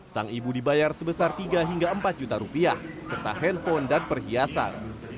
sang ibu dibayar sebesar tiga hingga empat juta rupiah serta handphone dan perhiasan